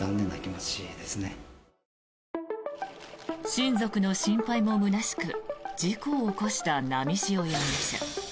親族の心配もむなしく事故を起こした波汐容疑者。